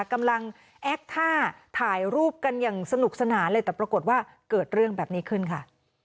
แอคท่าถ่ายรูปกันอย่างสนุกสนานเลยแต่ปรากฏว่าเกิดเรื่องแบบนี้ขึ้นค่ะ